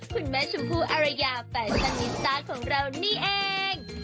คุณแม่ชมพู่อารยาแฟชั่นนิสต้าของเรานี่เอง